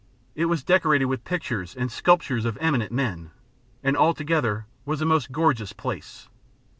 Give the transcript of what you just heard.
It was decorated with pictures and sculptures of eminent men, and altogether was a most gorgeous place.